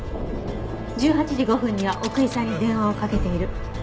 １８時５分には奥居さんに電話をかけている。